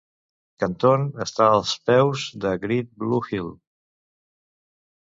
Canton està als peus de Great Blue Hill.